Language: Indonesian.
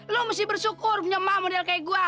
lu mesti bersyukur nyemam model kayak gua